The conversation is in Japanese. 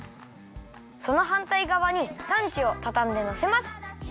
そのはんたいがわにサンチュをたたんでのせます。